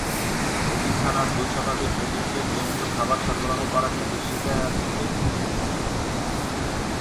এতিমখানার দুই শতাধিক এতিমকে নিয়মিত খাবার সরবরাহ করা নিয়ে দুশ্চিন্তায় আছেন কে?